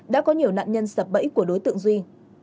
đã có nhiều nạn nhân sập bẫy của đối tượng duy